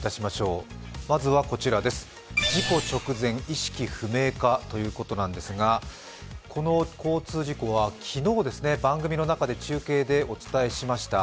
事故直前、意識不明かということなんですがこの交通事故は昨日、番組の中で中継でお伝えしました。